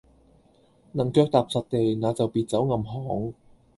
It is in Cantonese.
能腳踏實地，那就別走暗巷。